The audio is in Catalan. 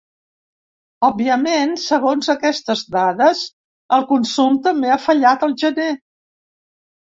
Òbviament, segons aquestes dades, el consum també ha fallat el gener.